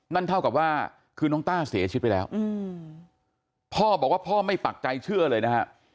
นั่นเท่ากับว่าคือน้องต้าเสียชีวิตไปแล้วพ่อบอกว่าพ่อไม่ปักใจเชื่อเลยนะฮะ